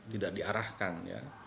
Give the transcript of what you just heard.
tidak diarahkan ya